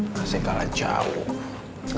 masih kalah jauh